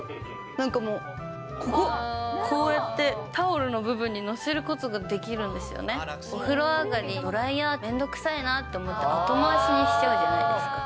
なんかもう、ここ、こうやってタオルの部分に載せることができるんですよね。お風呂上がり、ドライヤーめんどくさいなと思って、後回しにしちゃうじゃないですか。